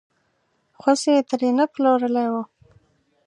خوسی یې ترې نه پلورلی و.